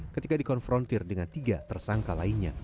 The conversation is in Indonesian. ketika dikonfrontir dengan tiga tersangka lainnya